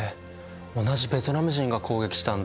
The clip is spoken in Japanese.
同じベトナム人が攻撃したんだ。